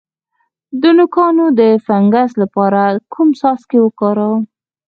د نوکانو د فنګس لپاره کوم څاڅکي وکاروم؟